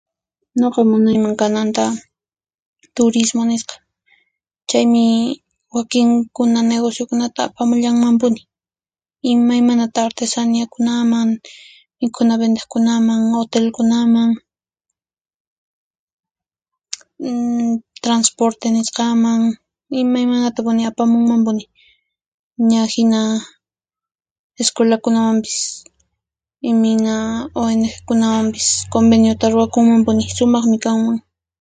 Nuqa munayman kananta turismo nisqa chaymi wakin kuna negociokunata apamullanmanpuni imaymanata artesaniakunaman mikhunavendiq kunaman, hotel kunaman, transporte nisqaman imaymanata apamunman puni ña hina escuelakunawanpis ña hina ONG kunawanpis conveniota ruakunmanpuni sumaqminkanman